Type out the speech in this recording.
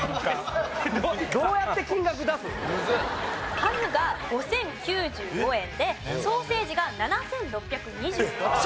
ハムが５０９５円でソーセージが７６２６円。